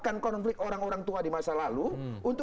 dari fakta fakta sejarah